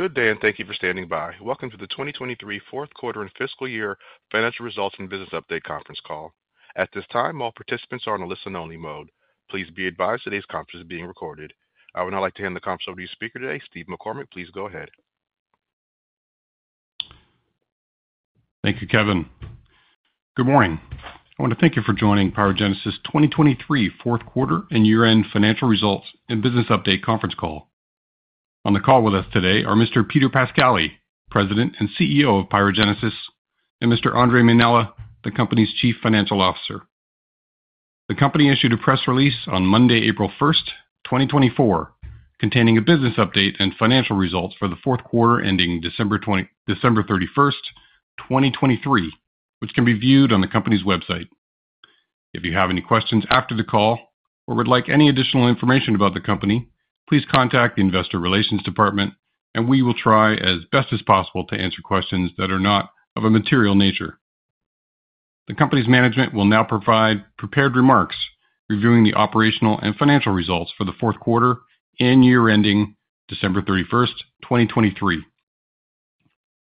Good day, and thank you for standing by. Welcome to the 2023 Fourth Quarter and Fiscal Year Financial Results and Business update Conference Call. At this time, all participants are on a listen-only mode. Please be advised today's conference is being recorded. I would now like to hand the conference over to your speaker today, Steve McCormick. Please go ahead. Thank you, Kevin. Good morning. I want to thank you for joining PyroGenesis 2023 Fourth Quarter and Year-end Financial Results and Business update Conference Call. On the call with us today are Mr. Peter Pascali, President and CEO of PyroGenesis, and Mr. Andre Mainella, the company's Chief Financial Officer. The company issued a press release on Monday, April 1, 2024, containing a business update and financial results for the fourth quarter ending December 31, 2023, which can be viewed on the company's website. If you have any questions after the call or would like any additional information about the company, please contact the Investor Relations Department, and we will try as best as possible to answer questions that are not of a material nature. The company's management will now provide prepared remarks reviewing the operational and financial results for the fourth quarter and year-ending December 31, 2023.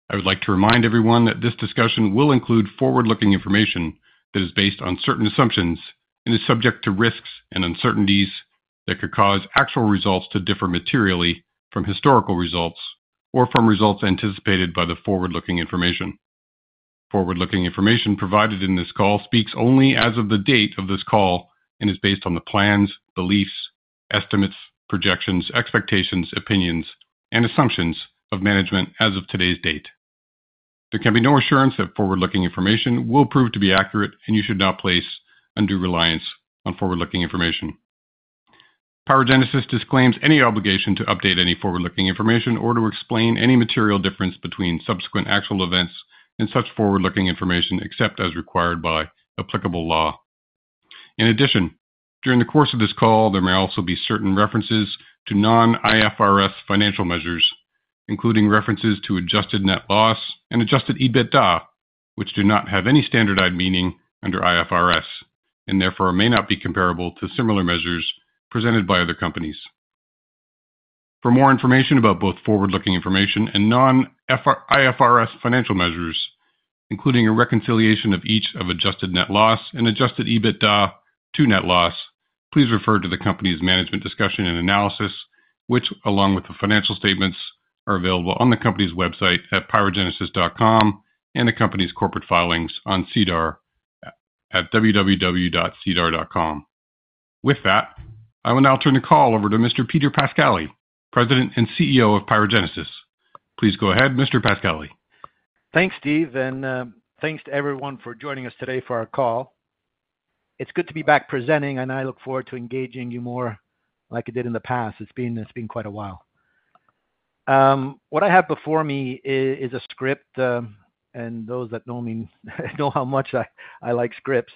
I would like to remind everyone that this discussion will include forward-looking information that is based on certain assumptions and is subject to risks and uncertainties that could cause actual results to differ materially from historical results or from results anticipated by the forward-looking information. Forward-looking information provided in this call speaks only as of the date of this call and is based on the plans, beliefs, estimates, projections, expectations, opinions, and assumptions of management as of today's date. There can be no assurance that forward-looking information will prove to be accurate, and you should not place undue reliance on forward-looking information. PyroGenesis disclaims any obligation to update any forward-looking information or to explain any material difference between subsequent actual events and such forward-looking information except as required by applicable law. In addition, during the course of this call, there may also be certain references to non-IFRS financial measures, including references to adjusted net loss and adjusted EBITDA, which do not have any standardized meaning under IFRS and therefore may not be comparable to similar measures presented by other companies. For more information about both forward-looking information and non-IFRS financial measures, including a reconciliation of each of adjusted net loss and adjusted EBITDA to net loss, please refer to the company's management discussion and analysis, which, along with the financial statements, are available on the company's website at pyrogenesis.com and the company's corporate filings on SEDAR at www.sedar.com. With that, I will now turn the call over to Mr. Peter Pascali, President and CEO of PyroGenesis. Please go ahead, Mr. Pascali. Thanks, Steve, and thanks to everyone for joining us today for our call. It's good to be back presenting, and I look forward to engaging you more like I did in the past. It's been quite a while. What I have before me is a script, and those that know me know how much I like scripts.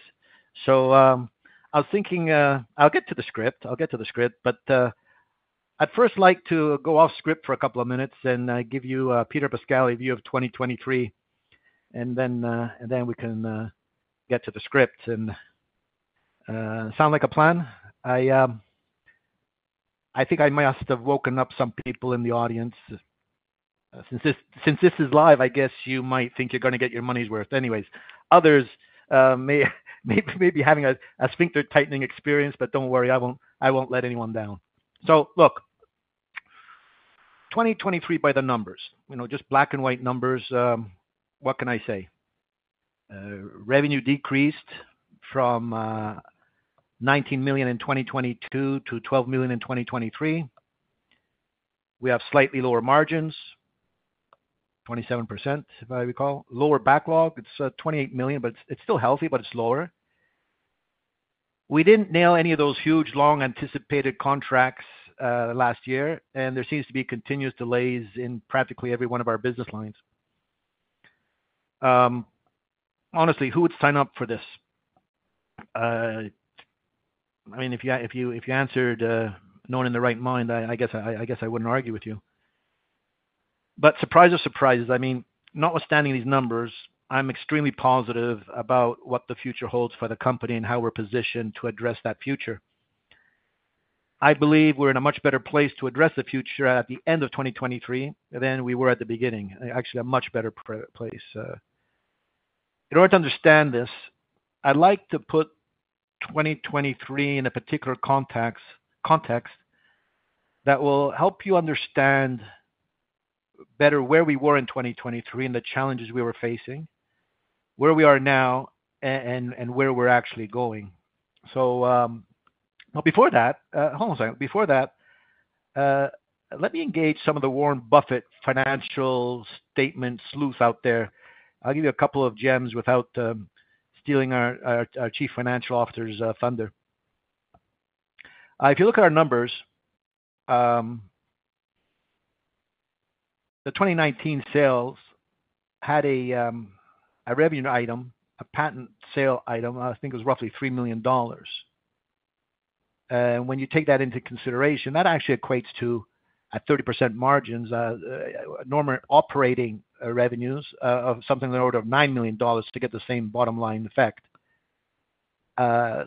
So I was thinking I'll get to the script. I'll get to the script. But I'd first like to go off script for a couple of minutes and give you, Peter Pascali, a view of 2023, and then we can get to the script. Sound like a plan? I think I must have woken up some people in the audience. Since this is live, I guess you might think you're going to get your money's worth. Anyways, others may be having a sphincter-tightening experience, but don't worry, I won't let anyone down. So look, 2023 by the numbers, just black and white numbers, what can I say? Revenue decreased from 19 million in 2022 to 12 million in 2023. We have slightly lower margins, 27% if I recall. Lower backlog. It's 28 million, but it's still healthy, but it's lower. We didn't nail any of those huge, long-anticipated contracts last year, and there seems to be continuous delays in practically every one of our business lines. Honestly, who would sign up for this? I mean, if you answered no one in the right mind, I guess I wouldn't argue with you. But surprise of surprises, I mean, notwithstanding these numbers, I'm extremely positive about what the future holds for the company and how we're positioned to address that future. I believe we're in a much better place to address the future at the end of 2023 than we were at the beginning, actually a much better place. In order to understand this, I'd like to put 2023 in a particular context that will help you understand better where we were in 2023 and the challenges we were facing, where we are now, and where we're actually going. But before that hold on a second. Before that, let me engage some of the Warren Buffett financial statements sleuth out there. I'll give you a couple of gems without stealing our Chief Financial Officer's thunder. If you look at our numbers, the 2019 sales had a revenue item, a patent sale item, I think it was roughly $3 million. When you take that into consideration, that actually equates to, at 30% margins, normal operating revenues of something in the order of 9 million dollars to get the same bottom-line effect.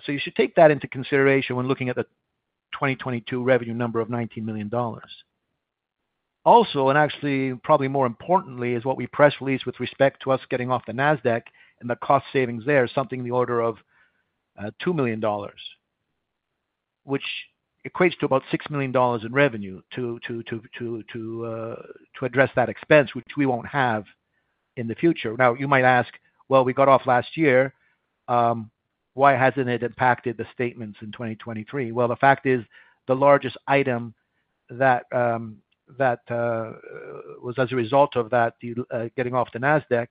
You should take that into consideration when looking at the 2022 revenue number of 19 million dollars. Also, and actually probably more importantly, is what we press released with respect to us getting off the NASDAQ and the cost savings there, something in the order of 2 million dollars, which equates to about 6 million dollars in revenue to address that expense, which we won't have in the future. Now, you might ask, well, we got off last year. Why hasn't it impacted the statements in 2023? Well, the fact is, the largest item that was as a result of that getting off the NASDAQ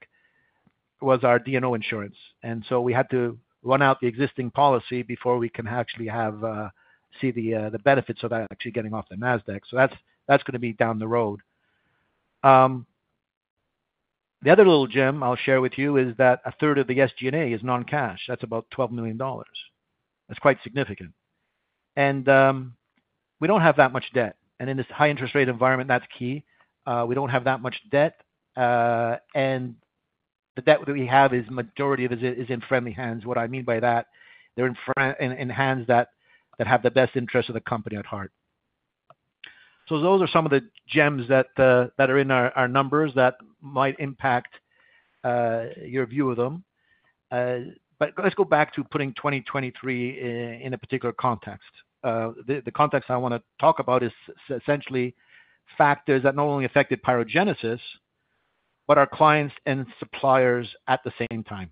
was our D&O insurance. So we had to run out the existing policy before we can actually see the benefits of actually getting off the NASDAQ. So that's going to be down the road. The other little gem I'll share with you is that a third of the SG&A is non-cash. That's about 12 million dollars. That's quite significant. And we don't have that much debt. And in this high-interest-rate environment, that's key. We don't have that much debt. And the debt that we have is majority of it is in friendly hands. What I mean by that, they're in hands that have the best interests of the company at heart. So those are some of the gems that are in our numbers that might impact your view of them. But let's go back to putting 2023 in a particular context. The context I want to talk about is essentially factors that not only affected PyroGenesis but our clients and suppliers at the same time.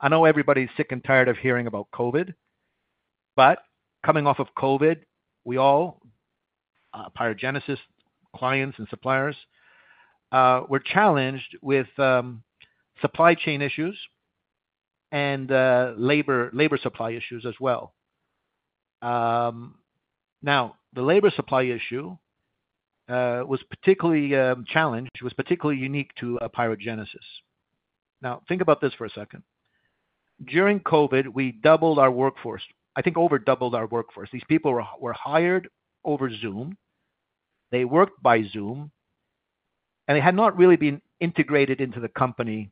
I know everybody's sick and tired of hearing about COVID. But coming off of COVID, we all, PyroGenesis clients and suppliers, were challenged with supply chain issues and labor supply issues as well. Now, the labor supply issue was particularly challenged, was particularly unique to PyroGenesis. Now, think about this for a second. During COVID, we doubled our workforce, I think overdoubled our workforce. These people were hired over Zoom. They worked by Zoom. And they had not really been integrated into the company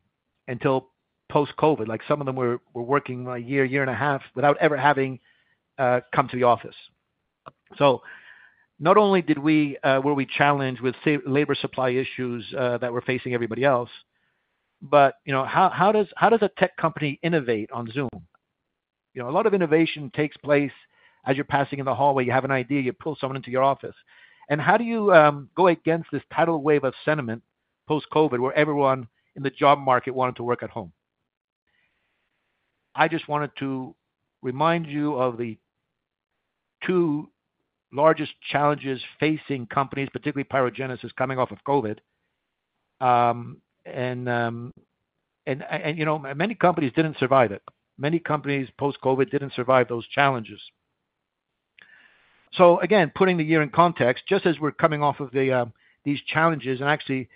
until post-COVID. Some of them were working a year, year and a half without ever having come to the office. So not only were we challenged with labor supply issues that were facing everybody else, but how does a tech company innovate on Zoom? A lot of innovation takes place as you're passing in the hallway. You have an idea. You pull someone into your office. And how do you go against this tidal wave of sentiment post-COVID where everyone in the job market wanted to work at home? I just wanted to remind you of the two largest challenges facing companies, particularly PyroGenesis, coming off of COVID. And many companies didn't survive it. Many companies post-COVID didn't survive those challenges. So again, putting the year in context, just as we're coming off of these challenges and actually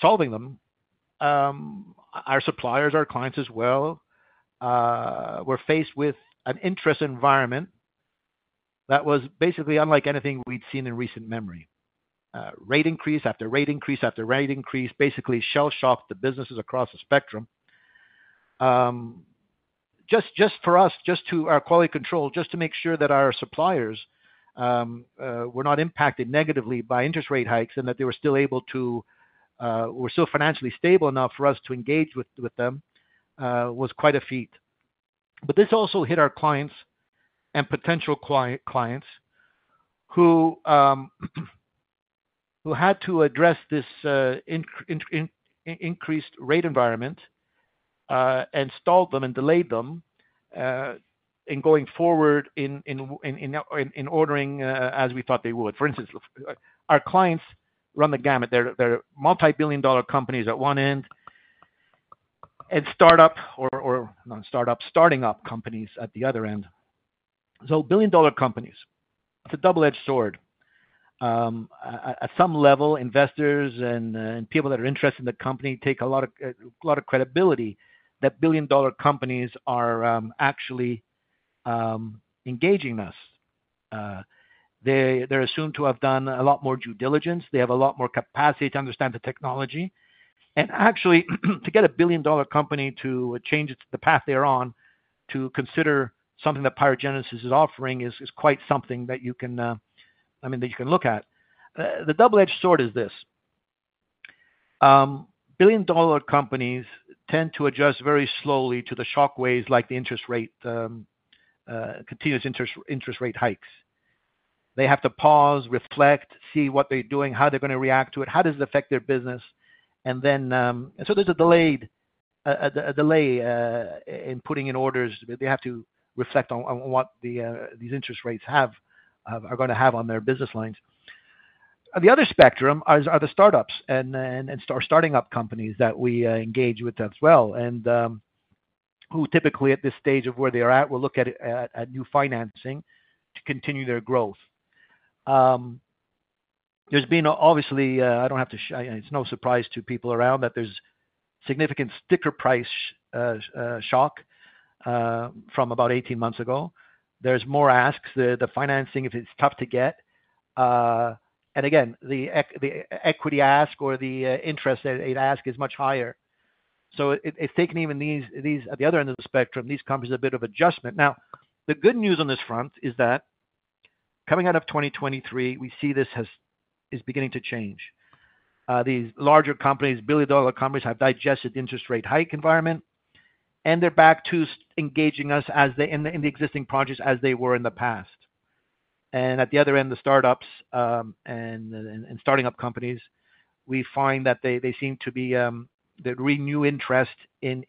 solving them, our suppliers, our clients as well, were faced with an interest environment that was basically unlike anything we'd seen in recent memory. Rate increase after rate increase after rate increase basically shell-shocked the businesses across the spectrum. Just for us, just to our quality control, just to make sure that our suppliers were not impacted negatively by interest rate hikes and that they were still able to be financially stable enough for us to engage with them, was quite a feat. But this also hit our clients and potential clients who had to address this increased rate environment and stalled them and delayed them in going forward in ordering as we thought they would. For instance, our clients run the gamut. They're multibillion-dollar companies at one end and startup or not startup, starting-up companies at the other end. So billion-dollar companies, it's a double-edged sword. At some level, investors and people that are interested in the company take a lot of credibility that billion-dollar companies are actually engaging us. They're assumed to have done a lot more due diligence. They have a lot more capacity to understand the technology. And actually, to get a billion-dollar company to change the path they're on, to consider something that PyroGenesis is offering is quite something that you can I mean, that you can look at. The double-edged sword is this. Billion-dollar companies tend to adjust very slowly to the shockwaves like the interest rate, continuous interest rate hikes. They have to pause, reflect, see what they're doing, how they're going to react to it, how does it affect their business. And so there's a delay in putting in orders. They have to reflect on what these interest rates are going to have on their business lines. The other spectrum are the startups and starting-up companies that we engage with as well and who typically, at this stage of where they are at, will look at new financing to continue their growth. There's been obviously. I don't have to. It's no surprise to people around that there's significant sticker price shock from about 18 months ago. There's more asks. The financing, if it's tough to get and again, the equity ask or the interest rate ask is much higher. So it's taken even these at the other end of the spectrum, these companies, a bit of adjustment. Now, the good news on this front is that coming out of 2023, we see this is beginning to change. These larger companies, billion-dollar companies, have digested the interest rate hike environment, and they're back to engaging us in the existing projects as they were in the past. And at the other end, the startups and starting-up companies, we find that they seem to be they renew interest in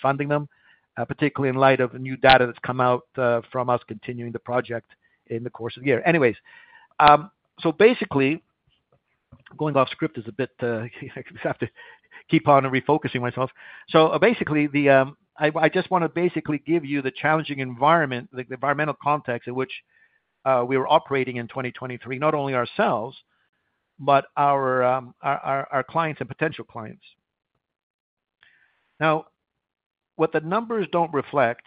funding them, particularly in light of new data that's come out from us continuing the project in the course of the year. Anyways, so basically, going off script is a bit I have to keep on and refocusing myself. So basically, I just want to basically give you the challenging environment, the environmental context in which we were operating in 2023, not only ourselves but our clients and potential clients. Now, what the numbers don't reflect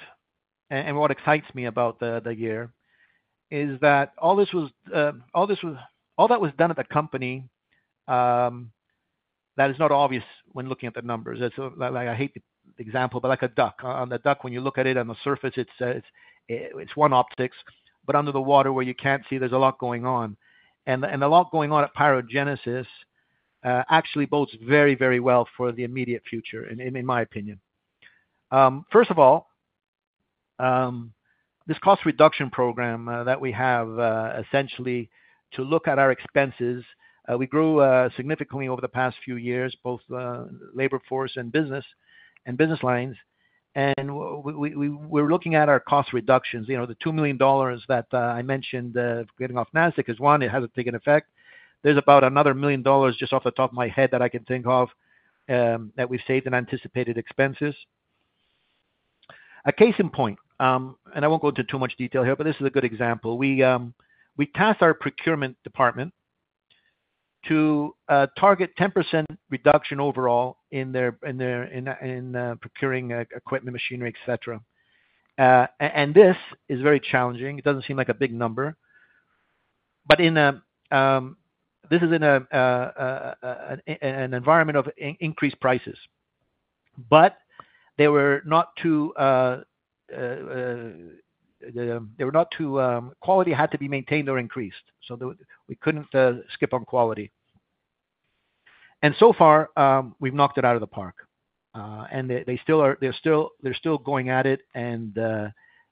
and what excites me about the year is that all this was all that was done at the company, that is not obvious when looking at the numbers. I hate the example, but like a duck. On the duck, when you look at it on the surface, it's one optics. But under the water, where you can't see, there's a lot going on. And the lot going on at PyroGenesis actually bodes very, very well for the immediate future, in my opinion. First of all, this cost reduction program that we have, essentially, to look at our expenses, we grew significantly over the past few years, both labor force and business lines. And we're looking at our cost reductions. The $2 million that I mentioned getting off NASDAQ is one. It hasn't taken effect. There's about another $1 million just off the top of my head that I can think of that we've saved in anticipated expenses. A case in point, and I won't go into too much detail here, but this is a good example. We tasked our procurement department to target 10% reduction overall in procuring equipment, machinery, etc. And this is very challenging. It doesn't seem like a big number. But this is in an environment of increased prices. But they were not too quality had to be maintained or increased. So we couldn't skip on quality. And so far, we've knocked it out of the park. And they're still going at it. And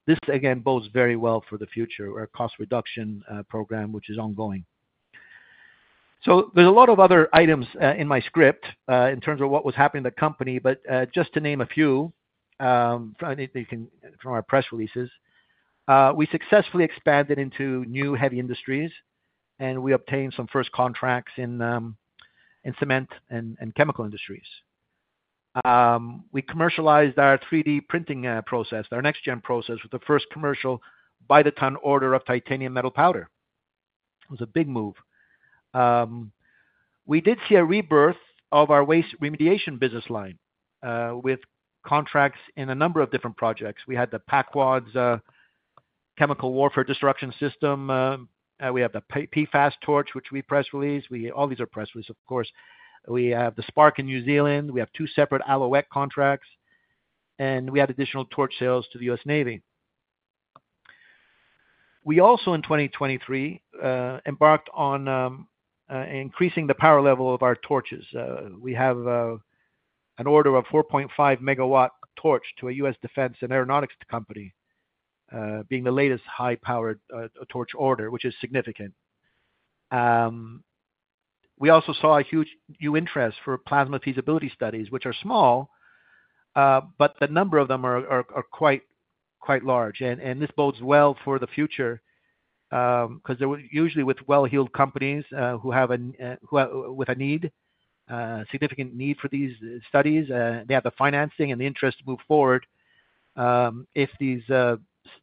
this, again, bodes very well for the future, our cost reduction program, which is ongoing. So there's a lot of other items in my script in terms of what was happening in the company. But just to name a few from our press releases, we successfully expanded into new heavy industries, and we obtained some first contracts in cement and chemical industries. We commercialized our 3D printing process, our next-gen process, with the first commercial by-the-ton order of titanium metal powder. It was a big move. We did see a rebirth of our waste remediation business line with contracts in a number of different projects. We had the PACWADS chemical warfare destruction system. We have the PFAS torch, which we press released. All these are press releases, of course. We have the SPARC in New Zealand. We have two separate Alouette contracts. And we had additional torch sales to the U.S. Navy. We also, in 2023, embarked on increasing the power level of our torches. We have an order of 4.5-megawatt torch to a U.S. defense and aeronautics company, being the latest high-powered torch order, which is significant. We also saw a huge new interest for plasma feasibility studies, which are small, but the number of them are quite large. This bodes well for the future because usually, with well-heeled companies who have a need, significant need for these studies, they have the financing and the interest to move forward if these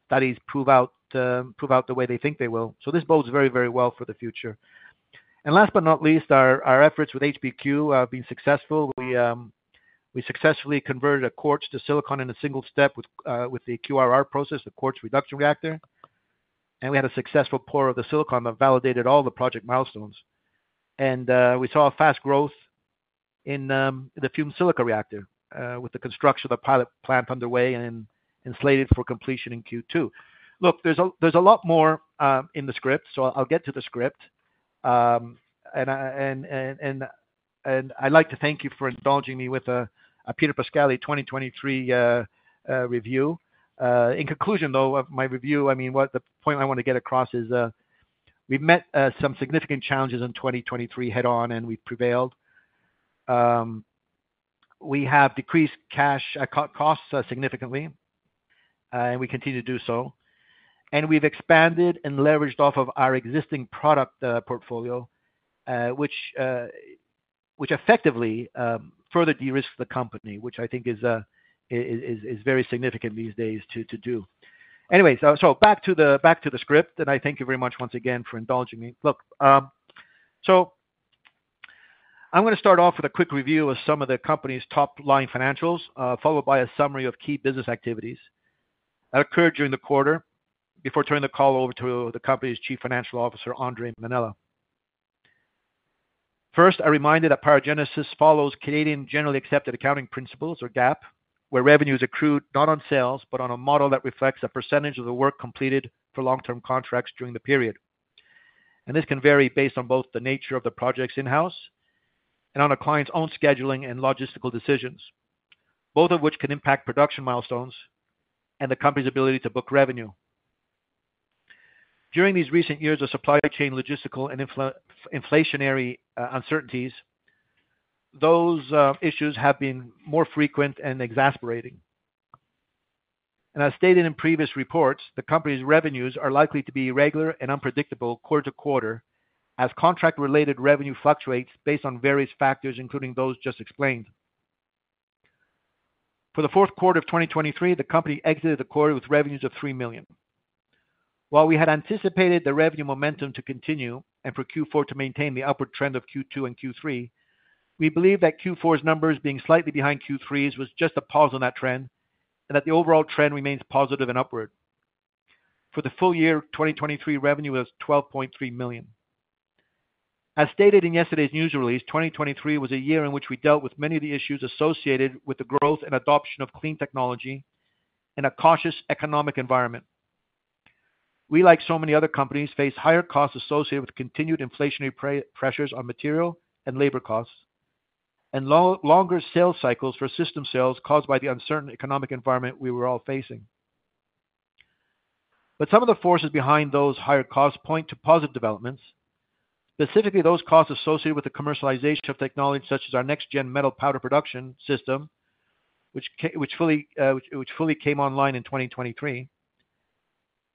studies prove out the way they think they will. So this bodes very, very well for the future. And last but not least, our efforts with HPQ have been successful. We successfully converted quartz to silicon in a single step with the QRR process, the Quartz Reduction Reactor. And we had a successful pour of the silicon that validated all the project milestones. And we saw fast growth in the fumed silica reactor with the construction of the pilot plant underway and then slated for completion in Q2. Look, there's a lot more in the script. So I'll get to the script. I'd like to thank you for indulging me with a Peter Pascali 2023 review. In conclusion, though, of my review, I mean, the point I want to get across is we've met some significant challenges in 2023 head-on, and we've prevailed. We have decreased cash costs significantly, and we continue to do so. We've expanded and leveraged off of our existing product portfolio, which effectively further de-risked the company, which I think is very significant these days to do. Anyways, so back to the script. I thank you very much once again for indulging me. Look, so I'm going to start off with a quick review of some of the company's top-line financials, followed by a summary of key business activities that occurred during the quarter before turning the call over to the company's Chief Financial Officer, Andre Mainella. First, I reminded that PyroGenesis follows Canadian generally accepted accounting principles, or GAAP, where revenues accrue not on sales but on a model that reflects a percentage of the work completed for long-term contracts during the period. This can vary based on both the nature of the projects in-house and on a client's own scheduling and logistical decisions, both of which can impact production milestones and the company's ability to book revenue. During these recent years of supply chain logistical and inflationary uncertainties, those issues have been more frequent and exasperating. As stated in previous reports, the company's revenues are likely to be irregular and unpredictable quarter to quarter as contract-related revenue fluctuates based on various factors, including those just explained. For the fourth quarter of 2023, the company exited the quarter with revenues of 3 million. While we had anticipated the revenue momentum to continue and for Q4 to maintain the upward trend of Q2 and Q3, we believed that Q4's numbers being slightly behind Q3's was just a pause on that trend and that the overall trend remains positive and upward. For the full year, 2023 revenue was 12.3 million. As stated in yesterday's news release, 2023 was a year in which we dealt with many of the issues associated with the growth and adoption of clean technology and a cautious economic environment. We, like so many other companies, face higher costs associated with continued inflationary pressures on material and labor costs and longer sales cycles for system sales caused by the uncertain economic environment we were all facing. But some of the forces behind those higher costs point to positive developments, specifically those costs associated with the commercialization of technology such as our next-gen metal powder production system, which fully came online in 2023,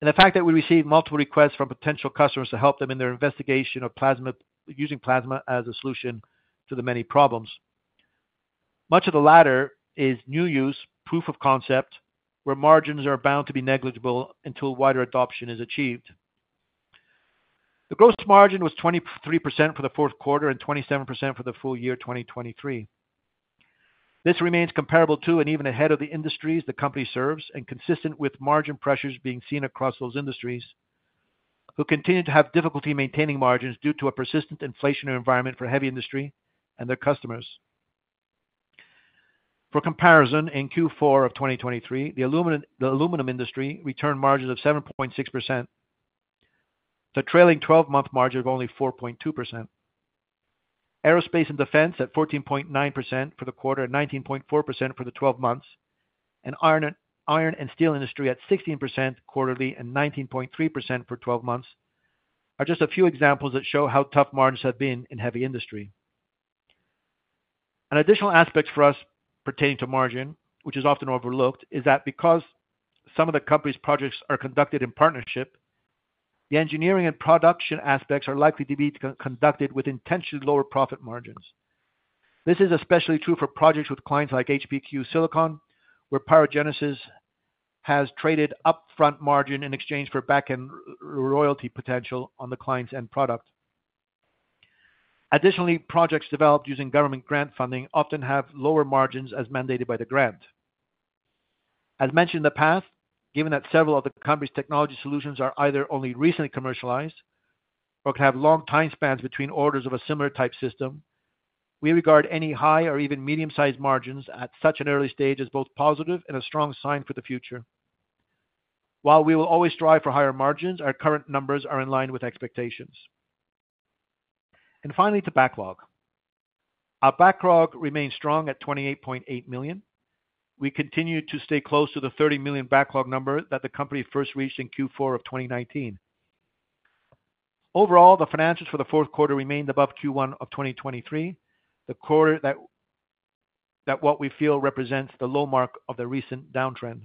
and the fact that we received multiple requests from potential customers to help them in their investigation of using plasma as a solution to the many problems. Much of the latter is new use, proof of concept, where margins are bound to be negligible until wider adoption is achieved. The gross margin was 23% for the fourth quarter and 27% for the full year 2023. This remains comparable to and even ahead of the industries the company serves and consistent with margin pressures being seen across those industries who continue to have difficulty maintaining margins due to a persistent inflationary environment for heavy industry and their customers. For comparison, in Q4 of 2023, the aluminum industry returned margins of 7.6%, the trailing 12-month margin of only 4.2%. Aerospace and defense at 14.9% for the quarter and 19.4% for the 12 months, and iron and steel industry at 16% quarterly and 19.3% for 12 months are just a few examples that show how tough margins have been in heavy industry. An additional aspect for us pertaining to margin, which is often overlooked, is that because some of the company's projects are conducted in partnership, the engineering and production aspects are likely to be conducted with intentionally lower profit margins. This is especially true for projects with clients like HPQ Silicon, where PyroGenesis has traded upfront margin in exchange for back-end royalty potential on the client's end product. Additionally, projects developed using government grant funding often have lower margins as mandated by the grant. As mentioned in the past, given that several of the company's technology solutions are either only recently commercialized or can have long time spans between orders of a similar type system, we regard any high or even medium-sized margins at such an early stage as both positive and a strong sign for the future. While we will always strive for higher margins, our current numbers are in line with expectations. And finally, to backlog. Our backlog remains strong at 28.8 million. We continue to stay close to the 30 million backlog number that the company first reached in Q4 of 2019. Overall, the financials for the fourth quarter remained above Q1 of 2023, what we feel represents the low mark of the recent downtrend.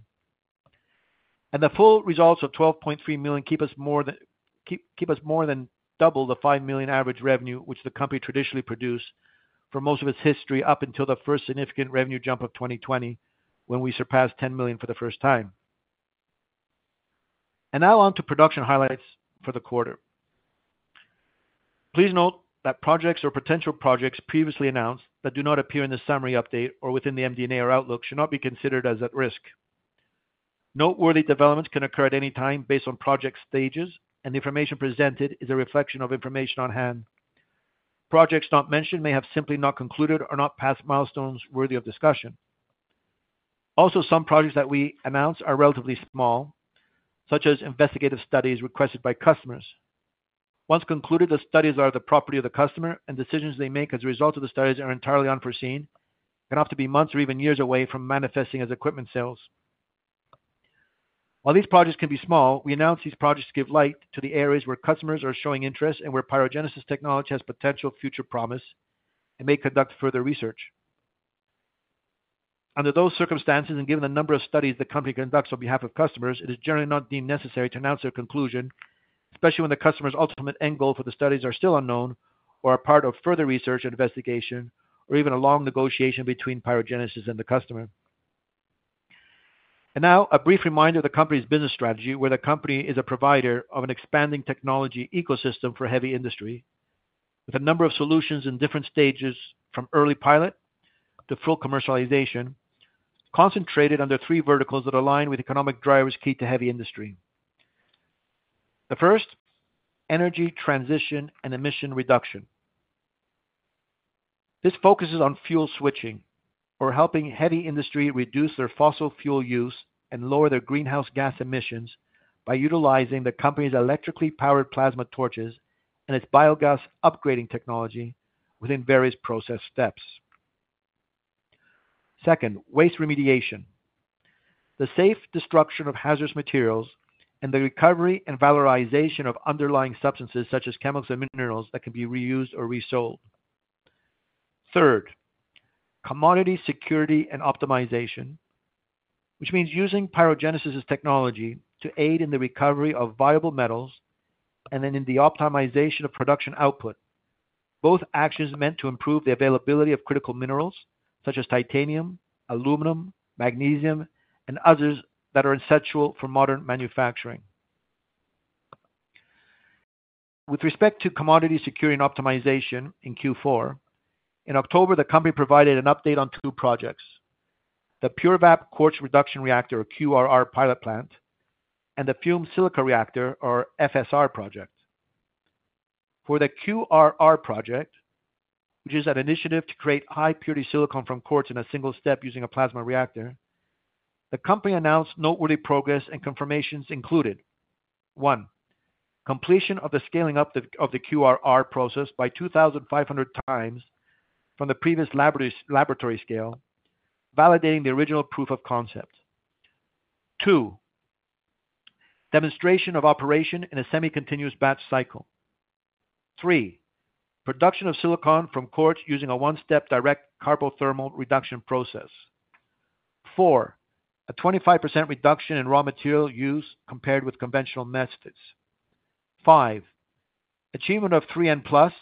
And the full results of 12.3 million keep us more than double the 5 million average revenue which the company traditionally produced for most of its history up until the first significant revenue jump of 2020 when we surpassed 10 million for the first time. And now on to production highlights for the quarter. Please note that projects or potential projects previously announced that do not appear in the summary update or within the MD&A or Outlook should not be considered as at risk. Noteworthy developments can occur at any time based on project stages, and the information presented is a reflection of information on hand. Projects not mentioned may have simply not concluded or not passed milestones worthy of discussion. Also, some projects that we announce are relatively small, such as investigative studies requested by customers. Once concluded, the studies are the property of the customer, and decisions they make as a result of the studies are entirely unforeseen and often to be months or even years away from manifesting as equipment sales. While these projects can be small, we announce these projects to give light to the areas where customers are showing interest and where PyroGenesis technology has potential future promise and may conduct further research. Under those circumstances and given the number of studies the company conducts on behalf of customers, it is generally not deemed necessary to announce their conclusion, especially when the customer's ultimate end goal for the studies are still unknown or are part of further research and investigation or even a long negotiation between PyroGenesis and the customer. Now, a brief reminder of the company's business strategy, where the company is a provider of an expanding technology ecosystem for heavy industry with a number of solutions in different stages from early pilot to full commercialization, concentrated under three verticals that align with economic drivers key to heavy industry. The first, energy transition and emission reduction. This focuses on fuel switching or helping heavy industry reduce their fossil fuel use and lower their greenhouse gas emissions by utilizing the company's electrically powered plasma torches and its biogas upgrading technology within various process steps. Second, waste remediation. The safe destruction of hazardous materials and the recovery and valorization of underlying substances such as chemicals and minerals that can be reused or resold. Third, commodity security and optimization, which means using PyroGenesis's technology to aid in the recovery of viable metals and then in the optimization of production output, both actions meant to improve the availability of critical minerals such as titanium, aluminum, magnesium, and others that are essential for modern manufacturing. With respect to commodity security and optimization in Q4, in October, the company provided an update on two projects: the PureVAP quartz reduction reactor, or QRR, pilot plant and the fumed silica reactor, or FSR, project. For the QRR project, which is an initiative to create high purity silicon from quartz in a single step using a plasma reactor, the company announced noteworthy progress and confirmations included: 1. Completion of the scaling up of the QRR process by 2,500 times from the previous laboratory scale, validating the original proof of concept. 2. Demonstration of operation in a semicontinuous batch cycle. 3. Production of silicon from quartz using a one-step direct carbothermal reduction process. 4. A 25% reduction in raw material use compared with conventional methods. 5. Achievement of 3N plus,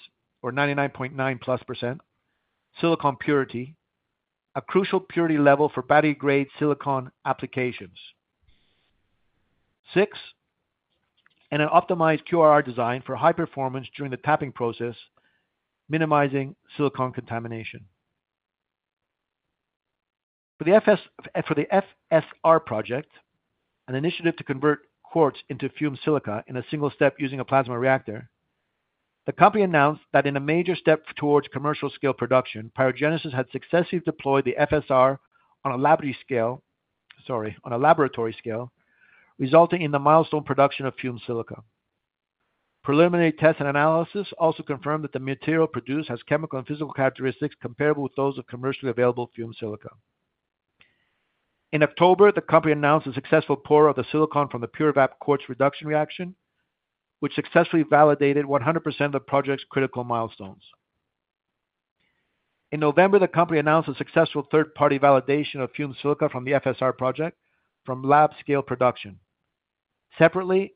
or 99.9+% silicon purity, a crucial purity level for battery-grade silicon applications. 6. An optimized QRR design for high performance during the tapping process, minimizing silicon contamination. For the FSR project, an initiative to convert quartz into fumed silica in a single step using a plasma reactor, the company announced that in a major step towards commercial-scale production, PyroGenesis had successfully deployed the FSR on a laboratory scale sorry, on a laboratory scale, resulting in the milestone production of fumed silica. Preliminary tests and analysis also confirmed that the material produced has chemical and physical characteristics comparable with those of commercially available fumed silica. In October, the company announced a successful pour of the silicon from the PureVAP quartz reduction reaction, which successfully validated 100% of the project's critical milestones. In November, the company announced a successful third-party validation of fumed silica from the FSR project from lab-scale production. Separately,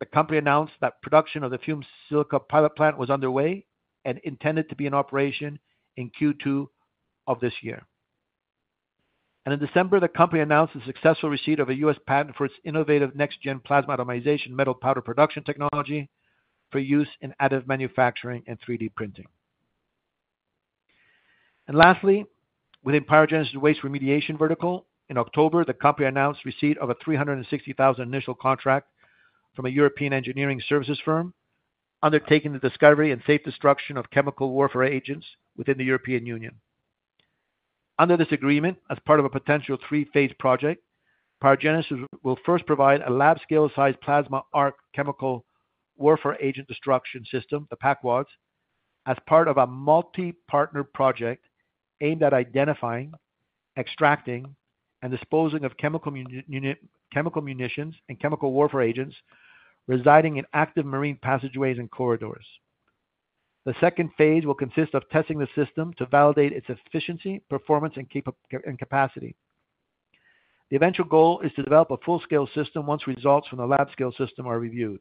the company announced that production of the fumed silica pilot plant was underway and intended to be in operation in Q2 of this year. And in December, the company announced the successful receipt of a U.S. patent for its innovative next-gen plasma atomization metal powder production technology for use in additive manufacturing and 3D printing. And lastly, within PyroGenesis's waste remediation vertical, in October, the company announced receipt of a 360,000 initial contract from a European engineering services firm undertaking the discovery and safe destruction of chemical warfare agents within the European Union. Under this agreement, as part of a potential three-phase project, PyroGenesis will first provide a lab-scale-sized plasma arc chemical warfare agent destruction system, the PACWADS, as part of a multi-partner project aimed at identifying, extracting, and disposing of chemical munitions and chemical warfare agents residing in active marine passageways and corridors. The second phase will consist of testing the system to validate its efficiency, performance, and capacity. The eventual goal is to develop a full-scale system once results from the lab-scale system are reviewed.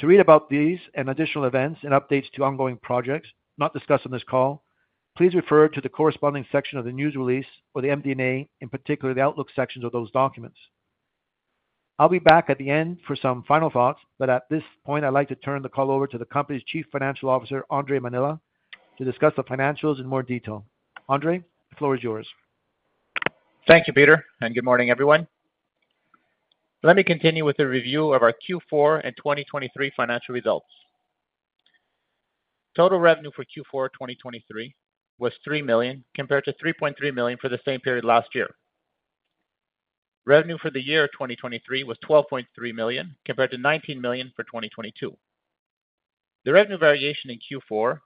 To read about these and additional events and updates to ongoing projects not discussed on this call, please refer to the corresponding section of the news release or the MD&A, in particular, the Outlook sections of those documents. I'll be back at the end for some final thoughts, but at this point, I'd like to turn the call over to the company's Chief Financial Officer, Andre Mainella, to discuss the financials in more detail. Andre, the floor is yours. Thank you, Peter, and good morning, everyone. Let me continue with the review of our Q4 and 2023 Financial Results. Total revenue for Q4 2023 was 3 million compared to 3.3 million for the same period last year. Revenue for the year 2023 was 12.3 million compared to 19 million for 2022. The revenue variation in Q4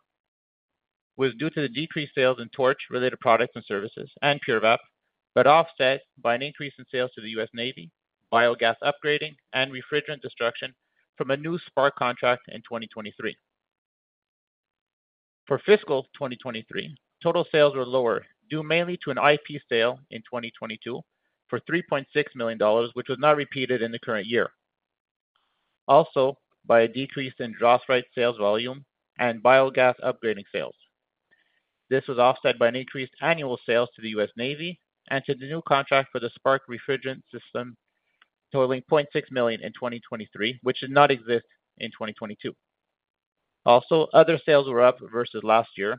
was due to the decreased sales in torch-related products and services and PureVAP but offset by an increase in sales to the U.S. Navy, biogas upgrading, and refrigerant destruction from a new SPARC contract in 2023. For fiscal 2023, total sales were lower due mainly to an IP sale in 2022 for 3.6 million dollars, which was not repeated in the current year, also by a decrease in DROSRITE sales volume and biogas upgrading sales. This was offset by an increased annual sales to the U.S. Navy and to the new contract for the SPARC refrigerant system totaling 0.6 million in 2023, which did not exist in 2022. Also, other sales were up versus last year,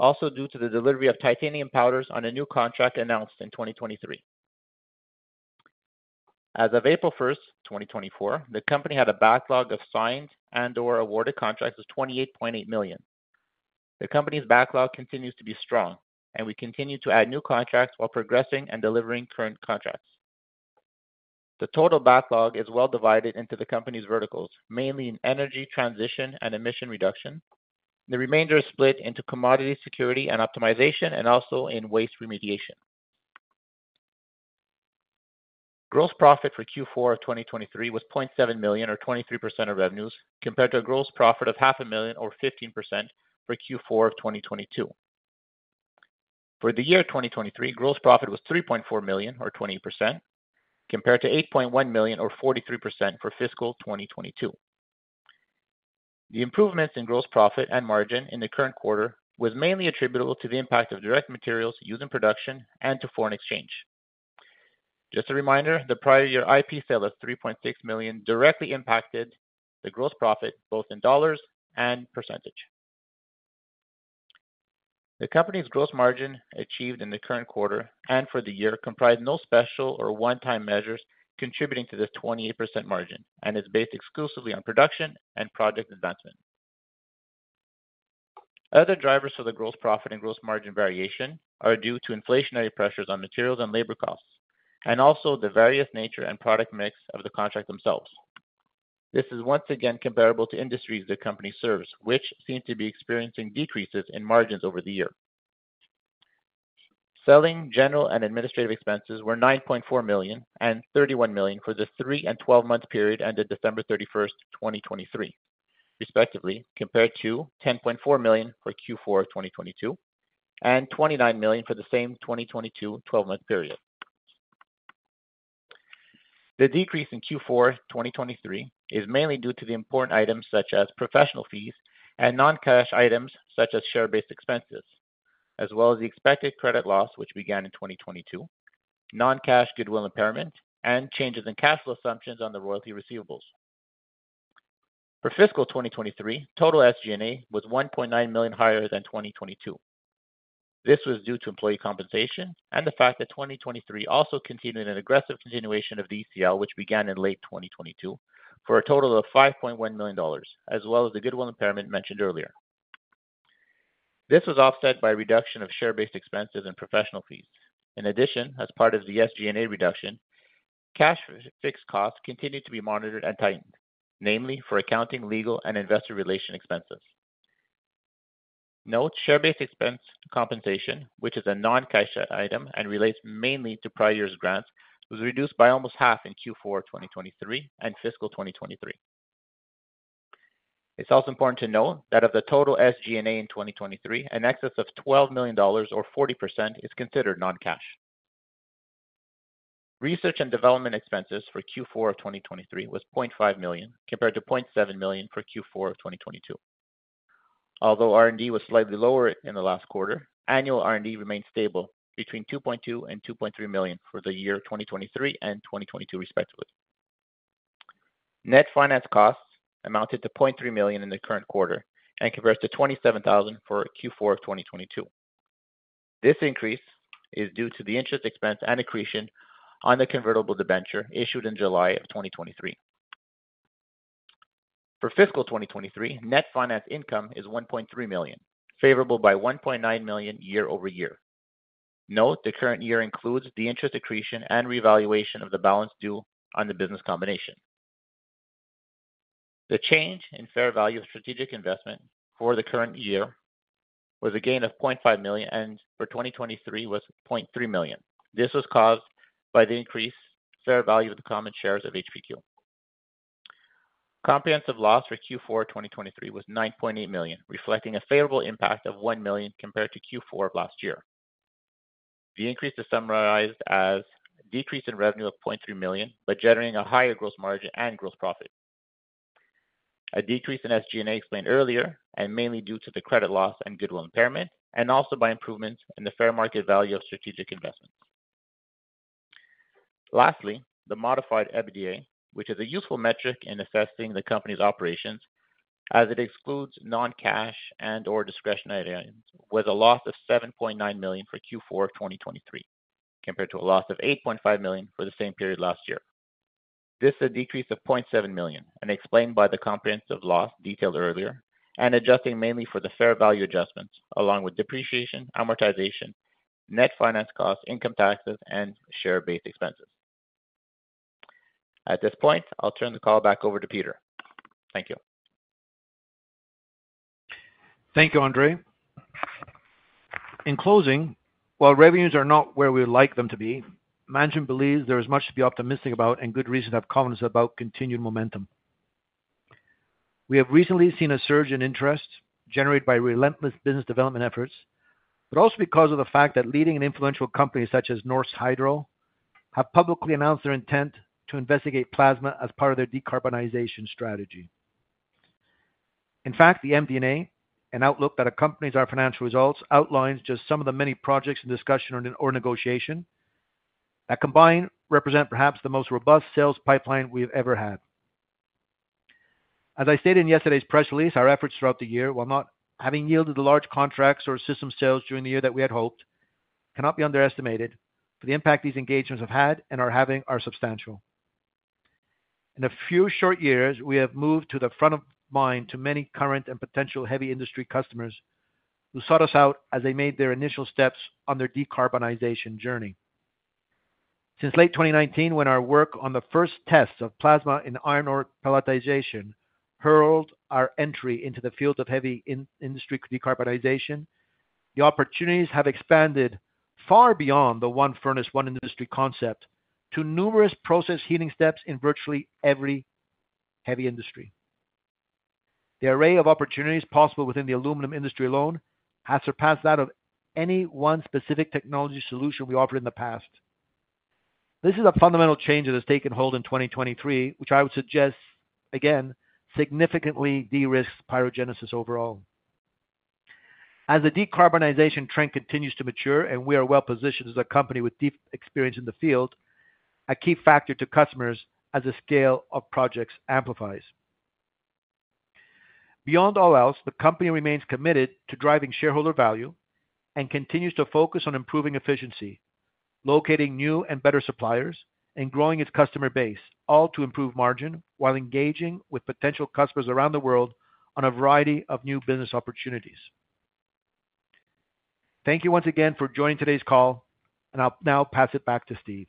also due to the delivery of titanium powders on a new contract announced in 2023. As of April 1, 2024, the company had a backlog of signed and/or awarded contracts of 28.8 million. The company's backlog continues to be strong, and we continue to add new contracts while progressing and delivering current contracts. The total backlog is well divided into the company's verticals, mainly in energy, transition, and emission reduction. The remainder is split into commodity security and optimization and also in waste remediation. Gross profit for Q4 of 2023 was 0.7 million, or 23% of revenues, compared to a gross profit of 0.5 million, or 15%, for Q4 of 2022. For the year 2023, gross profit was 3.4 million, or 20%, compared to 8.1 million, or 43%, for fiscal 2022. The improvements in gross profit and margin in the current quarter were mainly attributable to the impact of direct materials used in production and to foreign exchange. Just a reminder, the prior year IP sale of 3.6 million directly impacted the gross profit both in dollars and percentage. The company's gross margin achieved in the current quarter and for the year comprised no special or one-time measures contributing to this 28% margin and is based exclusively on production and project advancement. Other drivers for the gross profit and gross margin variation are due to inflationary pressures on materials and labor costs and also the various nature and product mix of the contract themselves. This is once again comparable to industries the company serves, which seem to be experiencing decreases in margins over the year. Selling, general, and administrative expenses were 9.4 million and 31 million for the 3- and 12-month period ended December 31, 2023, respectively, compared to 10.4 million for Q4 of 2022 and 29 million for the same 2022 12-month period. The decrease in Q4 2023 is mainly due to the important items such as professional fees and non-cash items such as share-based expenses, as well as the expected credit loss which began in 2022, non-cash goodwill impairment, and changes in cash flow assumptions on the royalty receivables. For fiscal 2023, total SG&A was 1.9 million higher than 2022. This was due to employee compensation and the fact that 2023 also continued an aggressive continuation of ECL, which began in late 2022, for a total of 5.1 million dollars, as well as the goodwill impairment mentioned earlier. This was offset by a reduction of share-based expenses and professional fees. In addition, as part of the SG&A reduction, cash fixed costs continued to be monitored and tightened, namely for accounting, legal, and investor relation expenses. Note, share-based expense compensation, which is a non-cash item and relates mainly to prior year's grants, was reduced by almost half in Q4 2023 and fiscal 2023. It's also important to note that of the total SG&A in 2023, an excess of 12 million dollars, or 40%, is considered non-cash. Research and development expenses for Q4 of 2023 were 0.5 million compared to 0.7 million for Q4 of 2022. Although R&D was slightly lower in the last quarter, annual R&D remained stable between 2.2 million and 2.3 million for the year 2023 and 2022, respectively. Net finance costs amounted to 0.3 million in the current quarter and compared to 27,000 for Q4 of 2022. This increase is due to the interest expense and accretion on the convertible debenture issued in July of 2023. For fiscal 2023, net finance income is 1.3 million, favorable by 1.9 million year-over-year. Note, the current year includes the interest accretion and revaluation of the balance due on the business combination. The change in fair value of strategic investment for the current year was a gain of 0.5 million and for 2023 was 0.3 million. This was caused by the increased fair value of the common shares of HPQ. Comprehensive loss for Q4 2023 was 9.8 million, reflecting a favorable impact of 1 million compared to Q4 of last year. The increase is summarized as a decrease in revenue of 0.3 million but generating a higher gross margin and gross profit. A decrease in SG&A explained earlier and mainly due to the credit loss and goodwill impairment and also by improvements in the fair market value of strategic investments. Lastly, the modified EBITDA, which is a useful metric in assessing the company's operations as it excludes non-cash and/or discretionary items, was a loss of 7.9 million for Q4 of 2023 compared to a loss of 8.5 million for the same period last year. This is a decrease of 0.7 million and explained by the comprehensive loss detailed earlier and adjusting mainly for the fair value adjustments along with depreciation, amortization, net finance costs, income taxes, and share-based expenses. At this point, I'll turn the call back over to Peter. Thank you. Thank you, Andre. In closing, while revenues are not where we would like them to be, management believes there is much to be optimistic about and good reason to have confidence about continued momentum. We have recently seen a surge in interest generated by relentless business development efforts but also because of the fact that leading and influential companies such as Norsk Hydro have publicly announced their intent to investigate plasma as part of their decarbonization strategy. In fact, the MD&A, an outlook that accompanies our financial results, outlines just some of the many projects in discussion or negotiation that combined represent perhaps the most robust sales pipeline we have ever had. As I stated in yesterday's press release, our efforts throughout the year, while not having yielded the large contracts or system sales during the year that we had hoped, cannot be underestimated for the impact these engagements have had and are having are substantial. In a few short years, we have moved to the front of mind to many current and potential heavy industry customers who sought us out as they made their initial steps on their decarbonization journey. Since late 2019, when our work on the first tests of plasma and iron ore pelletization heralded our entry into the field of heavy industry decarbonization, the opportunities have expanded far beyond the one furnace, one industry concept to numerous process heating steps in virtually every heavy industry. The array of opportunities possible within the aluminum industry alone has surpassed that of any one specific technology solution we offered in the past. This is a fundamental change that has taken hold in 2023, which I would suggest, again, significantly de-risks PyroGenesis overall. As the decarbonization trend continues to mature and we are well positioned as a company with deep experience in the field, a key factor to customers as the scale of projects amplifies. Beyond all else, the company remains committed to driving shareholder value and continues to focus on improving efficiency, locating new and better suppliers, and growing its customer base, all to improve margin while engaging with potential customers around the world on a variety of new business opportunities. Thank you once again for joining today's call, and I'll now pass it back to Steve.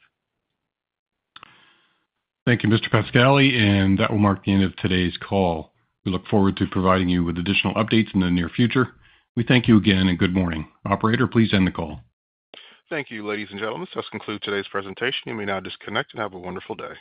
Thank you, Mr. Pascali, and that will mark the end of today's call. We look forward to providing you with additional updates in the near future. We thank you again, and good morning. Operator, please end the call. Thank you, ladies and gentlemen. This does conclude today's presentation. You may now disconnect and have a wonderful day.